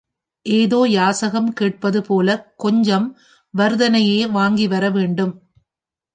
ஏதோ யாசகம் கேட்பது போலக் கொஞ்சம் வர்த்தனையை வாங்கிவர வேண்டும்.